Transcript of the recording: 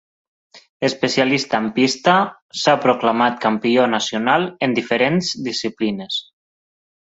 Especialista en pista, s'ha proclamat campió nacional en diferents disciplines.